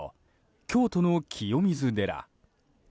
京都の清水寺。